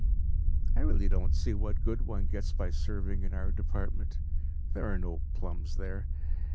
I really don't see what good one gets by serving in our department. There are no plums there.